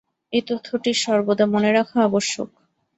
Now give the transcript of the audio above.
এই তথ্যটি সর্বদা মনে রাখা আবশ্যক।